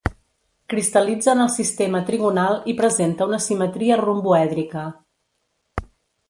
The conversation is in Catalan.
Cristal·litza en el sistema trigonal i presenta una simetria romboèdrica.